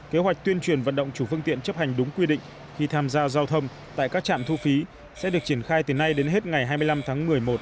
kế hoạch tuyên truyền vận động chủ phương tiện chấp hành đúng quy định khi tham gia giao thông tại các trạm thu phí sẽ được triển khai từ nay đến hết ngày hai mươi năm tháng một mươi một